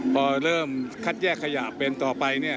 พอเริ่มคัดแยกขยะเป็นต่อไปเนี่ย